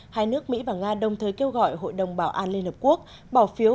hai nước mỹ và nga đồng thời kêu gọi hội đồng bảo an liên hợp quốc bỏ phiếu